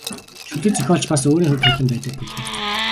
Шүлэг зохиолд ч бас өөрийн хувь тавилан байдаг бүлгээ.